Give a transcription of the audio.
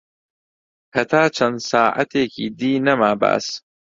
هەتا چەن ساعەتێکی دی نەما باس